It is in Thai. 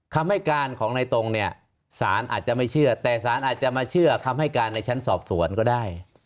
คำให้การของในตรงเนี่ยสารอาจจะไม่เชื่อแต่สารอาจจะมาเชื่อคำให้การในชั้นสอบสวนก็ได้